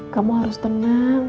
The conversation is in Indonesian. kamu harus tenang